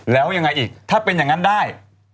แล้วยังไงอีกถ้าเป็นอย่างนั้นได้